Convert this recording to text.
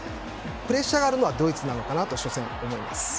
プレッシャーがあるのはドイツなのかなと思います。